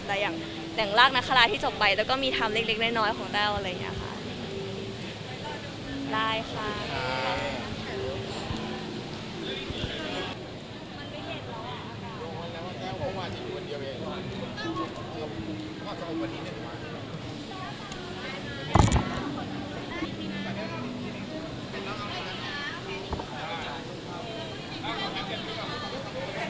แต่อย่างรากนักคาราที่จบไปแล้วก็มีไทม์เล็กน้อยของแต้วอะไรอย่างนี้ค่ะ